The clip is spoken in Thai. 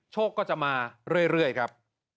โชคก็จะมาเรื่อยครับ